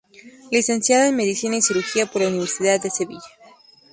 Licenciada en Medicina y Cirugía por la Universidad de Sevilla.